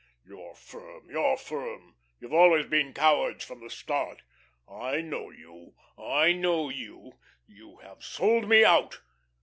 "Your firm, your firm you've been cowards from the start. I know you, I know you. You have sold me out.